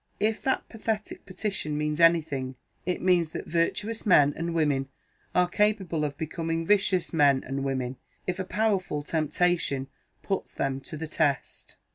If that pathetic petition means anything, it means that virtuous men and women are capable of becoming vicious men and women, if a powerful temptation puts them to the test.